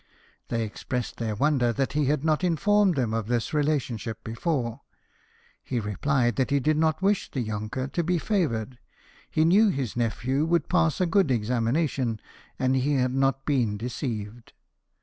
They expressed their wonder that he had not informed them of this relationship before ; he replied that he did not wish the younker to be favoured ; he knew his nephew would pass a good examination, and he had not been deceived.